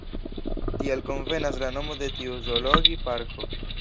Tial konvenas la nomo de tiu zoologi-parko.